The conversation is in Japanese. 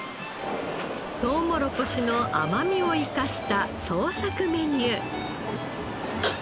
トウモロコシの甘みを生かした創作メニュー。